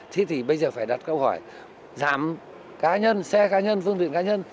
thế thì bây giờ phải đặt câu hỏi giảm cá nhân xe cá nhân phương tiện cá nhân